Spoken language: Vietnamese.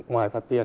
ngoài phạt tiền